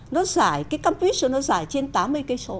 nó giải cái campus nó giải trên tám mươi km